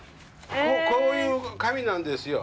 こういう紙なんですよ。